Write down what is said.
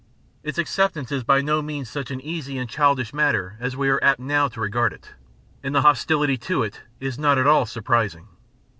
Its acceptance is by no means such an easy and childish matter as we are apt now to regard it, and the hostility to it is not at all surprising.